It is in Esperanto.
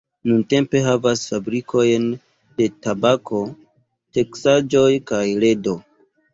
Nuntempe havas fabrikojn de tabako, teksaĵoj kaj ledo.